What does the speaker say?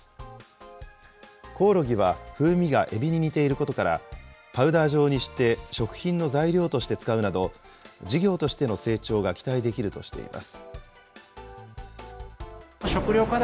コオロギは風味がエビに似ていることから、パウダー状にして食品の材料として使うなど、事業としての成長が期待できるとしています。